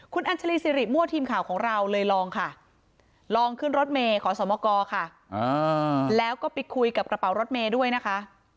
คุณอัญชาลีสิริมั่วทีมข่าวของเราเลยลองค่ะลองขึ้นรถเมย์ขอสมกรค่ะแล้วก็ไปคุยกับกระเป๋ารถเมย์ด้วยนะคะ